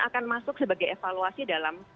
akan masuk sebagai evaluasi dalam